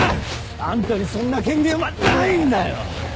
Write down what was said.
あんたにそんな権限はないんだよ！